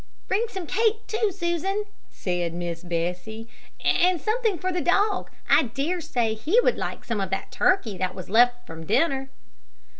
"Bring some cake too, Susan," said Miss Bessie, "and something for the dog. I dare say he would like some of that turkey that was left from dinner."